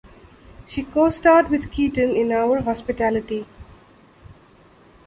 She co-starred with Keaton in "Our Hospitality".